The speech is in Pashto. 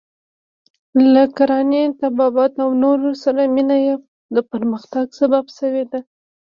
له کرانې، طبابت او نورو سره مینه یې د پرمختګ سبب شوې ده.